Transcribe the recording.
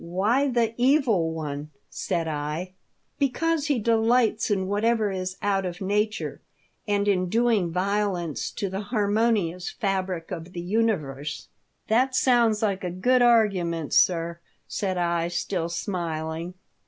"Why the Evil One?' said I. *' Because he delights in whatever is out of nature, and in doing violence to the har monious fabric of the universe." " That sounds like a good argument, sir," said I, still smiling.